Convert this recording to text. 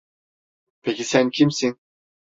Peki sen kimsin?